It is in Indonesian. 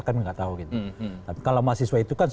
saya nggak tahu tapi kalau mahasiswa itu kan